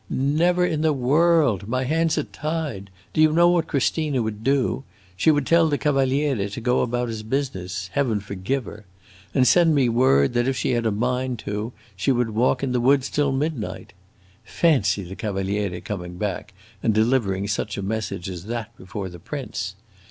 "Never in the world! My hands are tied. Do you know what Christina would do? She would tell the Cavaliere to go about his business Heaven forgive her! and send me word that, if she had a mind to, she would walk in the woods till midnight. Fancy the Cavaliere coming back and delivering such a message as that before the prince!